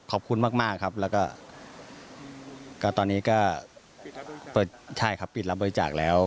ขอบคุณมากครับแล้วก็ตอนนี้ก็เปิดใช่ครับปิดรับบริจาคแล้ว